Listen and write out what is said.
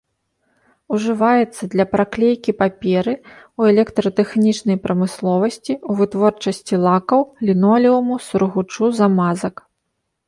Ужываецца для праклейкі паперы, у электратэхнічнай прамысловасці, у вытворчасці лакаў, лінолеуму, сургучу, замазак.